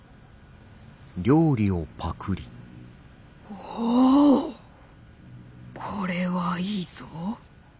おおこれはいいぞ。